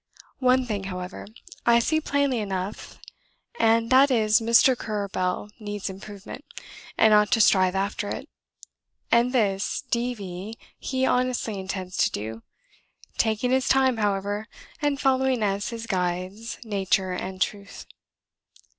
One thing however, I see plainly enough, and that is, Mr. Currer Bell needs improvement, and ought to strive after it; and this (D. V.) he honestly intends to do taking his time, however, and following as his guides Nature and Truth.